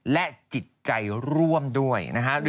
และจิตใจร่วมด้วยนะฮะ